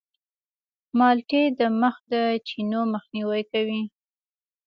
مالټې د مخ د چینو مخنیوی کوي.